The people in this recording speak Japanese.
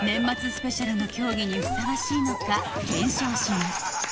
スペシャルの競技にふさわしいのか検証します